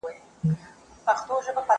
زه پرون د کتابتوننۍ سره مرسته وکړه!!